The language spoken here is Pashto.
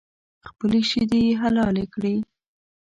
خپلې شیدې یې حلالې کړې